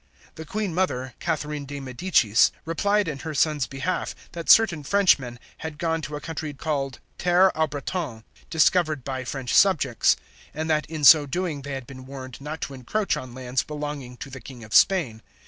The Queen Mother, Catherine de Medicis, replied in her son's behalf, that certain Frenchmen had gone to a country called Terre aux Bretons, discovered by French subjects, and that in so doing they had been warned not to encroach on lands belonging to the King of Spain.